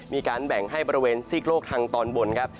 มีการแบ่งให้บริเวณซีกโลกทางตอนบนครับ